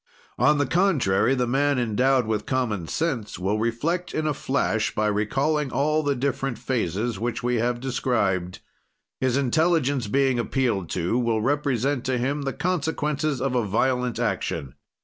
"On the contrary, the man endowed with common sense will reflect in a flash, by recalling all the different phases which we have described. His intelligence, being appealed to, will represent to him the consequences of a violent action.